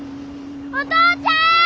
お父ちゃん！